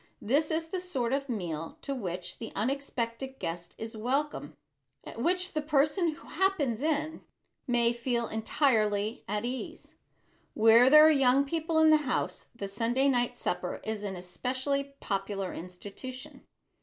This is the sort of meal to which the unexpected guest is welcome, at which the person who "happens in" may feel entirely at ease. Where there are young people in the house, the Sunday night supper is an especially popular institution.